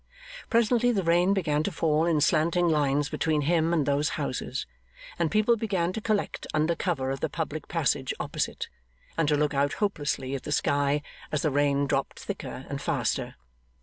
Presently the rain began to fall in slanting lines between him and those houses, and people began to collect under cover of the public passage opposite, and to look out hopelessly at the sky as the rain dropped thicker and faster.